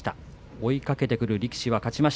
追いかけてくる力士が勝っています。